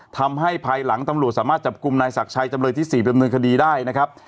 ทำให้ภายหลังตำรวจสามารถจับกลุ่มนายศักดิ์ชัยจำเลยที่๔ดำเนินคดีได้นะครับ